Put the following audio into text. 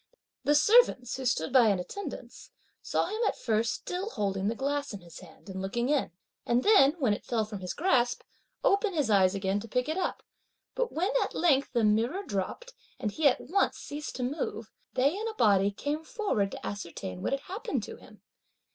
The servants, who stood by in attendance, saw him at first still holding the glass in his hand and looking in, and then, when it fell from his grasp, open his eyes again to pick it up, but when at length the mirror dropped, and he at once ceased to move, they in a body came forward to ascertain what had happened to him.